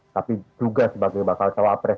tapi juga sebagai bakal cawapres